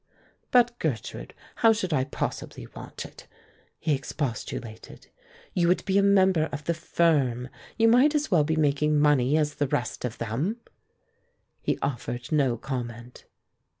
"But, Gertrude, how should I possibly want it?" he expostulated. "You would be a member of the firm. You might as well be making money as the rest of them." He offered no comment.